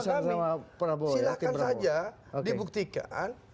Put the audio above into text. silahkan saja dibuktikan